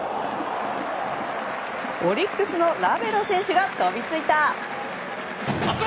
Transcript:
オリックスのラベロ選手が飛びついた！